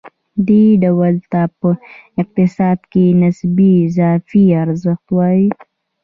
دې ډول ته په اقتصاد کې نسبي اضافي ارزښت وايي